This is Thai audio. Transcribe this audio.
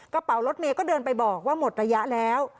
กระเป๋ารถเมย์ก็เดินไปบอกว่าหมดระยะแล้ว